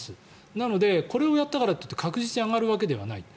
なのでこれをやったからといって確実に上がるわけではない。